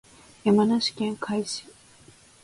山梨県甲斐市